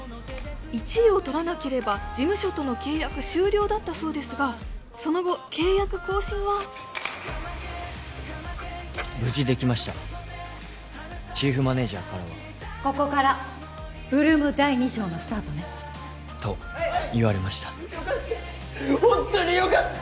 １位をとらなければ事務所との契約終了だったそうですがその後契約更新は無事できましたチーフマネージャーからはここから ８ＬＯＯＭ 第二章のスタートねと言われましたよかったホントによかった